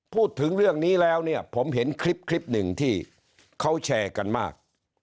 พูดถึงเรื่องนี้แล้วเนี่ยผมเห็นคลิปคลิปหนึ่งที่เขาแชร์กันมาก